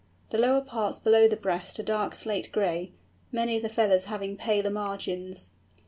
The lower parts below the breast are dark slate gray, many of the feathers having paler margins.